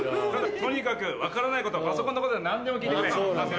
とにかく分からないことパソコンのことなら何でも聞いてくれ。